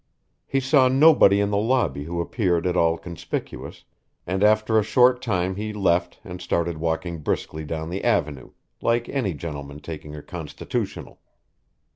He saw nobody in the lobby who appeared at all conspicuous, and after a short time he left and started walking briskly down the Avenue, like any gentleman taking a constitutional.